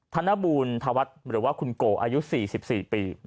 ธนบูรธวัฒน์หรือว่าคุณโกอายุ๔๔ปี